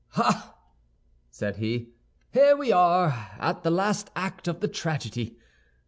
"Ah," said he, "here we are, at the last act of the tragedy.